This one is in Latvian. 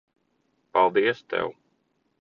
Paldies tev.